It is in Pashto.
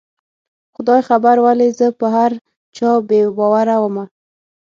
خدای خبر ولې زه په هر چا بې باوره ومه